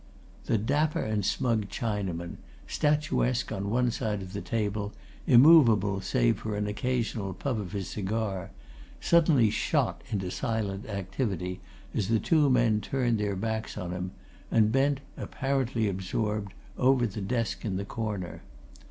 The dapper and smug Chinaman, statuesque on one side of the table, immovable save for an occasional puff of his cigar, suddenly shot into silent activity as the two men turned their backs on him and bent, apparently absorbed, over the desk in the corner.